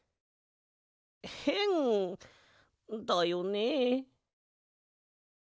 へんだよね？